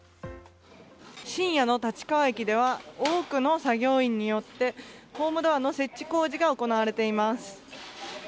深夜の立川駅では多くの作業員によってホームドアの設置工事が行われています。